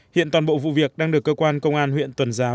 hiện toàn bộ vụ việc đang được cơ quan công an huyện tuần giáo